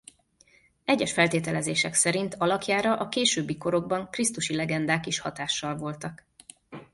Egyes feltételezések szerint alakjára a későbbi korokban krisztusi legendák is hatással voltak.